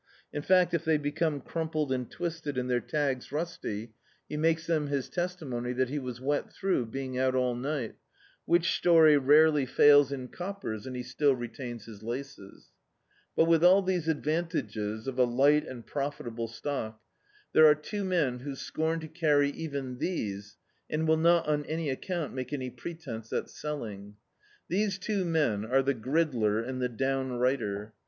In fact, if they be come crumpled and twisted and their tags rusty, Dn.icdt, Google Some Ways of Making a Living he makes them his testimony that he was wet through, being out all ni^t, which story rarely fails in coppers and he still retains his laces. But with all these advantages of a light and profit able stock, there are two men who scorn to carry even these and will not on any account make any pretence at selling. These two men are the gridler and the downrighter.